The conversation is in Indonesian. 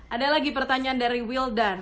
ada lagi pertanyaan dari will dan